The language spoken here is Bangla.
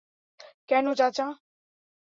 কেন, চাচা?